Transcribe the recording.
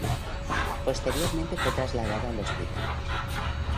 Posteriormente fue trasladado al hospital.